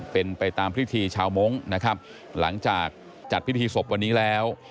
เป็นไปตามพิธีชาวมงค์นะครับหลังจากจัดพิธีศพวันนี้แล้ว